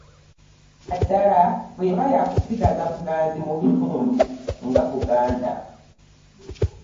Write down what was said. Naddala bw'eba ya kusigaza buganzi mu bitundu nga Buganda.